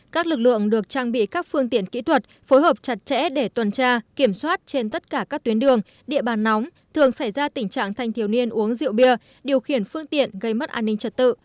các lực lượng được trang bị các phương tiện kỹ thuật phối hợp chặt chẽ để tuần tra kiểm soát trên tất cả các tuyến đường địa bàn nóng thường xảy ra tình trạng thanh thiếu niên uống rượu bia điều khiển phương tiện gây mất an ninh trật tự